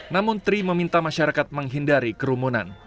namun tri meminta masyarakat menghindari kerumunan